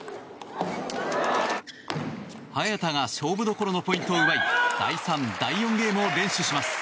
早田が勝負どころのポイントを奪い第３、第４ゲームを連取します。